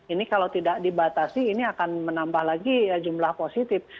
ini kalau tidak dibatasi ini akan menambah lagi jumlah positif